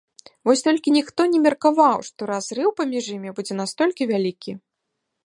Вось толькі ніхто не меркаваў, што разрыў паміж імі будзе настолькі вялікі.